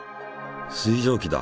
水蒸気だ。